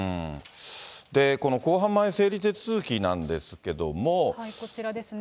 で、この公判前整理手続きなんですけれども。こちらですね。